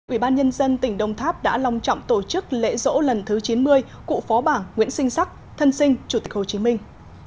ủy ban nhân dân tỉnh đồng tháp đã long trọng tổ chức lễ rỗ lần thứ chín mươi cụ phó bảng nguyễn sinh sắc thân sinh chủ tịch hồ chí minh